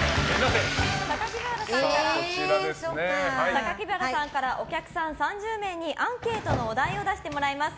榊原さんからお客さん３０名にアンケートのお題を出してもらいます。